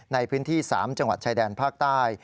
ในพื้นที่๓จังหวัดชายแดนภาคใต้